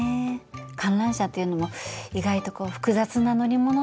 観覧車っていうのも意外と複雑な乗り物なのよね。